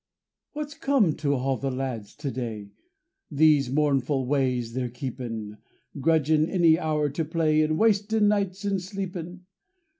What's come to all the lads to day, these mournful ways they're keepin', Grudgin' any hour to play and wastin' nights in sleepin'.